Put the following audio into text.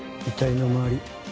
遺体の周り